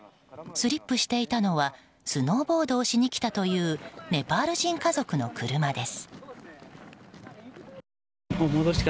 スリップしていたのはスノーボードをしに来たというネパール人家族の車です。